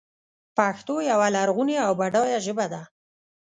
پښتو یوه لرغونې او بډایه ژبه ده.